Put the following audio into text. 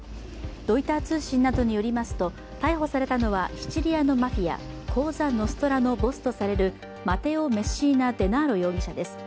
ロイター通信などによりますと逮捕されたのはシチリアのマフィアコーザ・ノストラのボスとされるマテオ・メッシーナ・デナーロ容疑者です。